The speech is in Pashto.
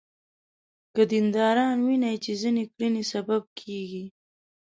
که دینداران ویني چې ځینې کړنې سبب کېږي.